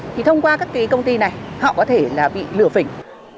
thì thông qua các cái công ty này họ có thể là bị lửa phỉnh